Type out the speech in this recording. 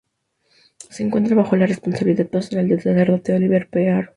Se encuentra bajo la responsabilidad pastoral del sacerdote Oliver P. Aro.